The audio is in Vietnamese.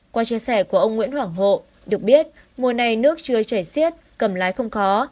qua chia sẻ của ông nguyễn hoàng hộ được biết mùa này nước chưa chảy xiết cầm lái không khó